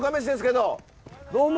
どうも！